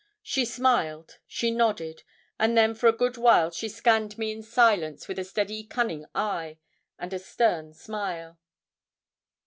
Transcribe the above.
She smiled, she nodded, and then for a good while she scanned me in silence with a steady cunning eye, and a stern smile.